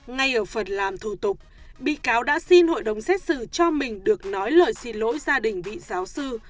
ngay ở phần làm thủ tục bị cáo đã xin hội đồng xét xử cho mình được nói lời xin lỗi gia đình bị giáo sư